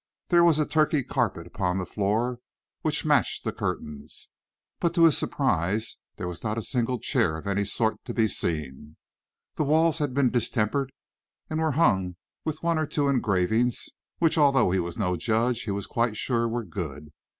There was a Turkey carpet upon the floor which matched the curtains, but to his surprise there was not a single chair of any sort to be seen. The walls had been distempered and were hung with one or two engravings which, although he was no judge, he was quite sure were good.